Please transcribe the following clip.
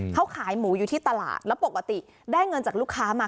เขาขายหมูอยู่ที่ตลาดแล้วปกติได้เงินจากลูกค้ามา